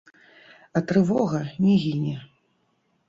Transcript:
А трывога не гіне.